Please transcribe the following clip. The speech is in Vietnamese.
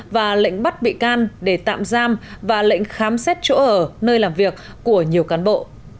và lệnh bắt bị can để tạm giam và lệnh khám xét chỗ ở nơi làm việc của nhiều cán bộ